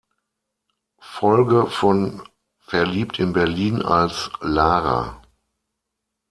Folge von Verliebt in Berlin als Lara.